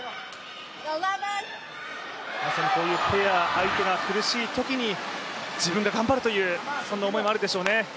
まさにこういう相手が苦しいときに自分が頑張るという、そういう思いもあるでしょうね。